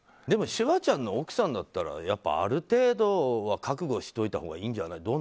でもシュワちゃんの奥さんだったらある程度は覚悟したほうがいいんじゃない？